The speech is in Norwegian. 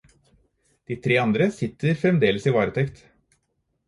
De tre andre sitter fremdeles i varetekt.